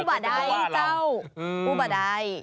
อุบัดใดเจ้าอุบัดใด